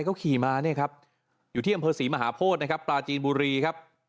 เขาขี่มาเนี่ยครับอยู่ที่อำเภอศรีมหาโพธินะครับปลาจีนบุรีครับ